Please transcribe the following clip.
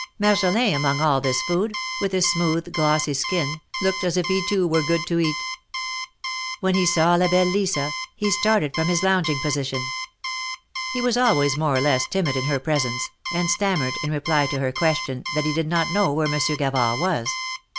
202 THE MARKETS OF PARIS. Marjolin, among all this food, with his smooth, glossy skin, looked as if he too were good to eat. When he saw la belle Lisa, he started from his lounging position. He was always more or less timid in her presence, and stammered, in reply to her question, that he did not know where Monsieur Gavard was.